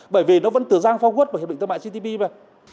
bởi vì nó vẫn từ giang phong quốc và hiệp định thương mại cptpp mà